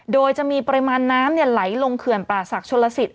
โดยจะมีปริมาณน้ำไหลลงเขื่อนป่าศักดิชนลสิต